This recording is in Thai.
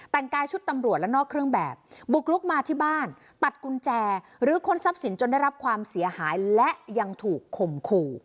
แต่งกายชุดตำรวจและนอกเครื่องแบบบุกลุกมาที่บ้านตัดกุญแจหรือค้นทรัพย์สินจนได้รับความเสียหายและยังถูกข่มขู่